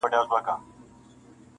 هر ډول مخالفت څرګندول -